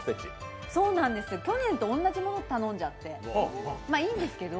去年と同じもの頼んじゃってまあいいんですけど。